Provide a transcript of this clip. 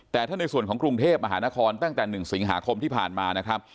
แต่ถ้าในส่วนของกรุงเทพมหานครตั้งแต่๑สิงหาคมที่ผ่านมานะครับ